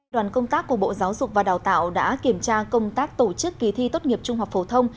đoàn công tác của bộ giáo dục và đào tạo đã kiểm tra công tác tổ chức kỳ thi tốt nghiệp trung học phổ thông